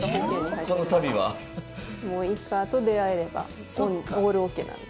もうイカと出会えればオールＯＫなんで。